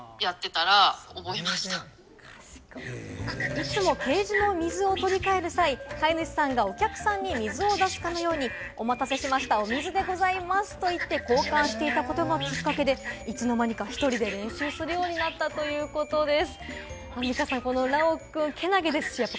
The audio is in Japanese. いつもケージの水を取り替える際、飼い主さんがお客さんに水を出すかのように、お待たせしましたを、お水でございますと言って交換していたことがきっかけでいつの間にか１人で練習するようになったということです。